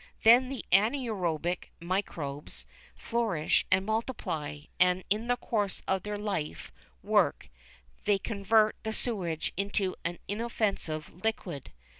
There the anaerobic microbes flourish and multiply, and in the course of their life work they convert the sewage into an inoffensive liquid.